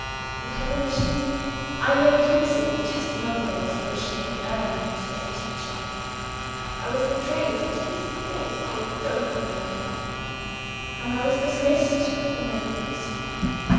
With her permission, I made use of the testimonials which she had earned as a teacher I was betrayed (to this day I don't know by whom) and I was dismissed from Netherwoods.